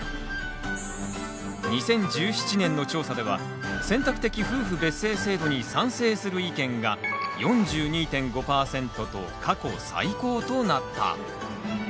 ２０１７年の調査では選択的夫婦別姓制度に賛成する意見が４２．５％と過去最高となった。